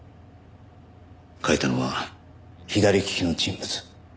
書いたのは左利きの人物。